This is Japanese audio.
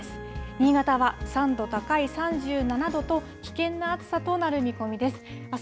新潟は３度高い３７度と、危険な暑さとなる見込みです。